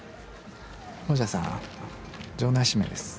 モジャさん場内指名です。